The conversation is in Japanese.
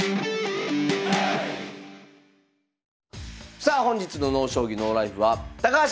さあ本日の「ＮＯ将棋ＮＯＬＩＦＥ」は高橋が次の一手に挑戦！